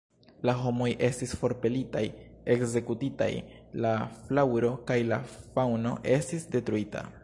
La homoj estis forpelitaj, ekzekutitaj; la flaŭro kaj la faŭno estis detruita.